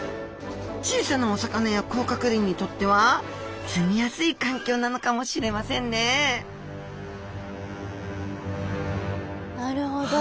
小さなお魚や甲殻類にとっては住みやすい環境なのかもしれませんねなるほど。